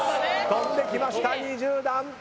跳んできました２０段。